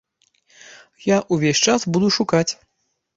Я ўвесь час буду шукаць.